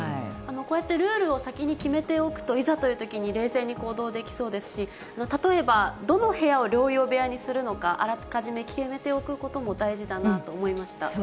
こうやってルールを先に決めておくと、いざというときに冷静に行動できそうですし、例えば、どの部屋を療養部屋にするのか、あらかじめ決めておくことも大事だなと思いました。